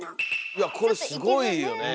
いやこれすごいよね。